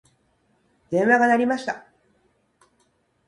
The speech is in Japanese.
電話が鳴りました。